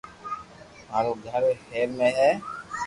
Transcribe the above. مارو گھر ھير مي ھي